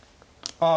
ああ。